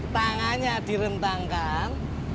tangan ya direntangkan